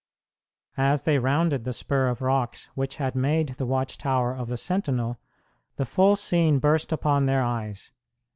As they rounded the spur of rocks which had made the watch tower of the sentinel, the full scene burst upon their eyes.